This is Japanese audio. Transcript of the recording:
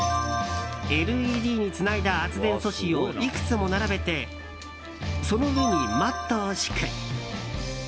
ＬＥＤにつないだ圧電素子をいくつも並べてその上にマットを敷く。